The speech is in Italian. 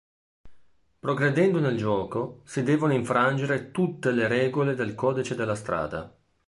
Progredendo nel gioco, si devono infrangere tutte le regole del codice della strada.